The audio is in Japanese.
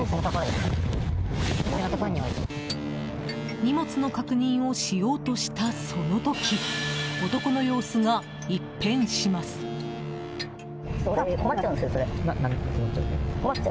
荷物の確認をしようとしたその時男の様子が一変します。